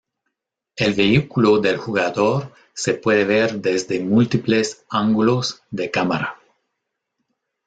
El vehículo del jugador se puede ver desde múltiples ángulos de cámara.